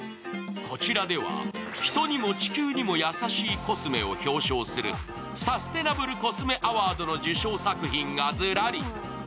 こちらでは人にも地球にもやさしいコスメを表彰するサステナブルコスメアワードの受賞作品がずらり。